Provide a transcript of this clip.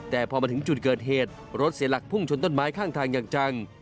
แต่พอมาถึงจุดเกิดเหตุรถเสียหลักพุ่งชนต้นไม้ข้างทางอย่างจัง